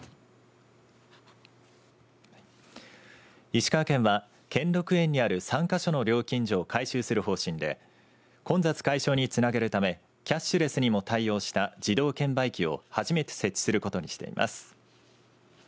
石川県は兼六園にある３か所の料金所を改修する方針で混雑解消につなげるためキャッシュレスにも対応した自動券売機を初めて設置することにしています。